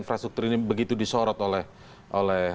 infrastruktur ini begitu disorot oleh